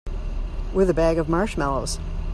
With a bag of marshmallows.